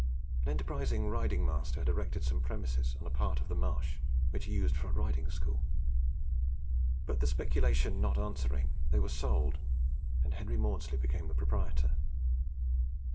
An enterprising riding master had erected some premises on a part of the marsh, which he used for a riding school; but the speculation not answering, they were sold, and Henry Maudslay became the proprietor.